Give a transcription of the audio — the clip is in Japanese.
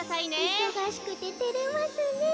いそがしくててれますねえ。